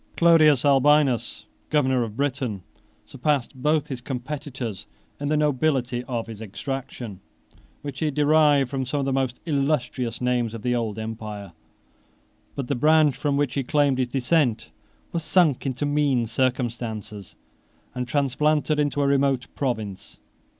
15 (return) [ Dion, l. lxxiii. p. 1235.] Clodius Albinus, governor of Britain, surpassed both his competitors in the nobility of his extraction, which he derived from some of the most illustrious names of the old republic. 16 But the branch from which he claimed his descent was sunk into mean circumstances, and transplanted into a remote province.